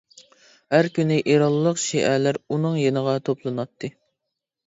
ھەر كۈنى ئىرانلىق شىئەلەر ئۇنىڭ يېنىغا توپلىناتتى.